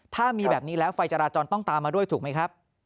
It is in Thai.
ถ้ามีแบบนี้แล้วไฟจราจรต้องตามมาด้วยถูกไหมครับ